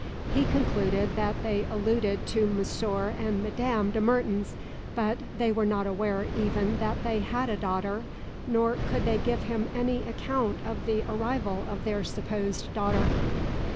He concluded that they alluded to Monsieur and Madame de Mertens, but they were not aware even that they had a daughter, nor could they give him any account of the arrival of their supposed daughter.